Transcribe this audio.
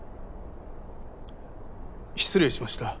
失礼しました。